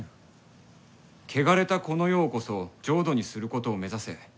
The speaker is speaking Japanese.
「汚れたこの世をこそ浄土にすることを目指せ」。